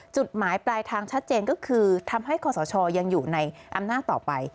จุดหมายปลายทางชัดเจนก็คือทำให้คอสชยังอยู่ในอำนาจต่อไป